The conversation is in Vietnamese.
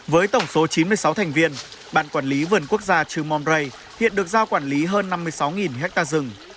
với tổng số chín mươi sáu thành viên bản quản lý vườn quốc gia trư môn rây hiện được giao quản lý hơn năm mươi sáu ha rừng